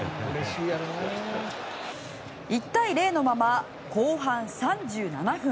１対０のまま、後半３７分。